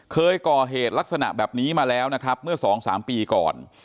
เคยก่อเหตุลักษณะแบบนี้มาแล้วนะครับเมื่อ๒๓ปีก่อน